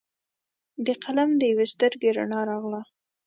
د قلم د یوي سترګې رڼا راغله